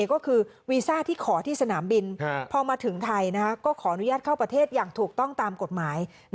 ก็คือวีซ่าที่ขอที่สนามบินพอมาถึงไทยก็ขออนุญาตเข้าประเทศอย่างถูกต้องตามกฎหมาย